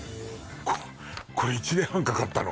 ここれ１年半かかったの？